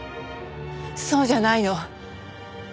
そうじゃないの。